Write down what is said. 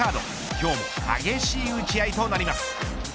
今日も激しい打ち合いとなります。